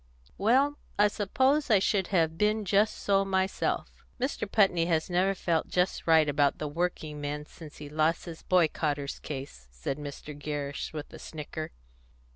Well, I suppose I should have been just so myself." "Mr. Putney has never felt just right about the working men since he lost the boycotters' case," said Mr. Gerrish, with a snicker.